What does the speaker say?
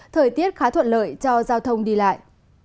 thời tiết khá thuận lợi cho giao thông đi lại